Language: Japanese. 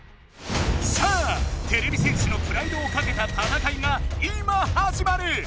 さあてれび戦士のプライドをかけた戦いが今はじまる！